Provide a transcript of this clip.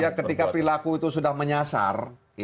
ya ketika perilaku itu sudah menyasar